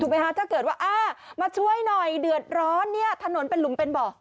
ถ้าเกิดว่าอ่ามาช่วยหน่อยเดือดร้อนเนี่ยถนนเป็นหลุมเป็นเบาะ